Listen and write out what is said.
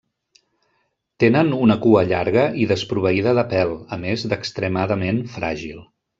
Tenen una cua llarga i desproveïda de pèl, a més d'extremadament fràgil.